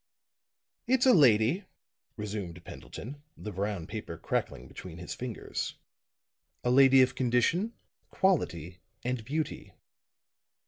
"It's a lady," resumed Pendleton, the brown paper crackling between his fingers, "a lady of condition, quality and beauty."